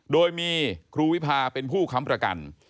โดยมีครูวิพาเป็นผู้ค้ำประกัน